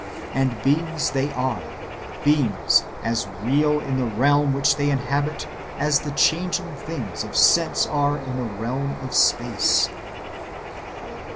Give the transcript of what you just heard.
And beings they are, beings as real in the realm which they inhabit as the changing things of sense are in the realm of space.